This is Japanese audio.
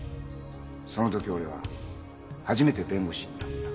その時俺は初めて弁護士になった。